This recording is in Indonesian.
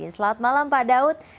selamat malam pak daud